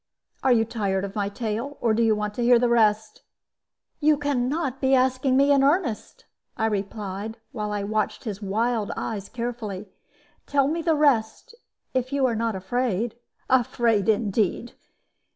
Are you tired of my tale? Or do you want to hear the rest?" "You can not be asking me in earnest," I replied, while I watched his wild eyes carefully. "Tell me the rest, if you are not afraid." "Afraid, indeed!